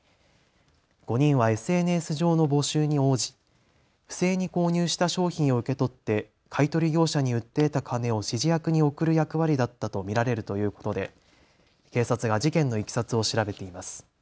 ５人はＳＮＳ上の募集に応じ、不正に購入した商品を受け取って買い取り業者に売って得た金を指示役に送る役割だったと見られるということで警察が事件のいきさつを調べています。